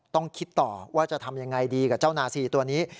ต้องคิดต่อว่าจะทำยังไงดีกับเจ้านาซีตัวนี้